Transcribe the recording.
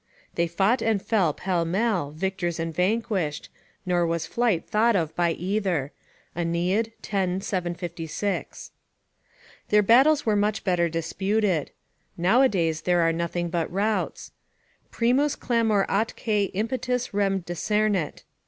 ["They fought and fell pell mell, victors and vanquished; nor was flight thought of by either." AEneid, x. 756.] Their battles were much better disputed. Nowadays there are nothing but routs: "Primus clamor atque impetus rem decernit."